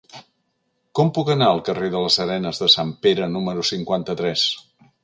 Com puc anar al carrer de les Arenes de Sant Pere número cinquanta-tres?